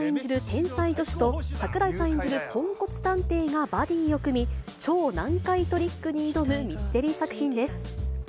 天才助手と、櫻井さん演じるポンコツ探偵がバディを組み、超難解トリックに挑むミステリー作品です。